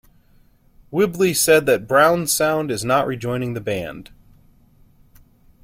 Whibley said that Brownsound is not rejoining the band.